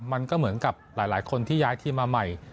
มันก็เหมือนกับหลายคนที่ย้ายทีมมาใหม่